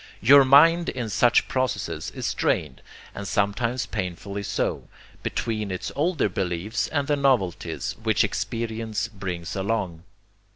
Your mind in such processes is strained, and sometimes painfully so, between its older beliefs and the novelties which experience brings along.